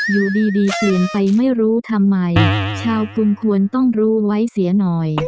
อยู่ดีเปลี่ยนไปไม่รู้ทำไมชาวกุลควรต้องรู้ไว้เสียหน่อย